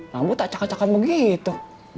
kamu tak caka cakam begitu